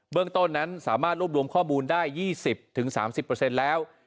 เรื่องต้นนั้นสามารถรวบรวมข้อมูลได้๒๐๓๐แล้ว